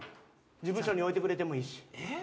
事務所に置いてくれてもいいし。